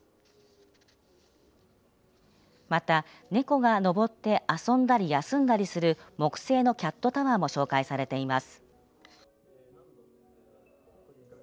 また、猫が登って遊んだり休んだりする木製のキャットタワーも紹介されています。